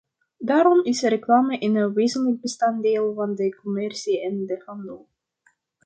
Daarom is reclame een wezenlijk bestanddeel van de commercie en de handel.